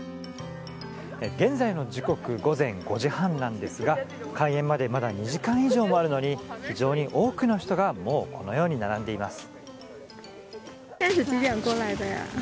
現在の時刻、午前５時半なんですが、開園までまだ２時間以上あるのに、非常に多くの人が、もうこのように並んでいます。